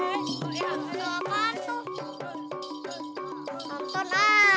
astaga sudah cowok ini